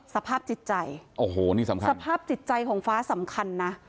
สภาพจิตใจสภาพจิตใจของฟ้าสำคัญนะ